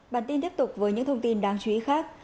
bản tin tiếp tục với những thông tin đáng chú ý khác